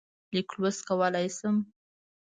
لیک لوست کولای شم.